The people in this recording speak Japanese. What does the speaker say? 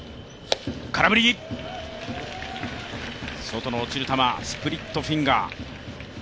外に落ちる球、スプリットフィンガー。